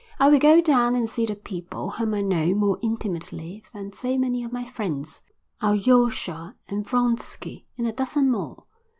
I will go down and see the people whom I know more intimately than so many of my friends, Alyosha, and Vronsky, and a dozen more.